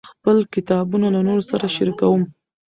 زه خپل کتابونه له نورو سره شریکوم.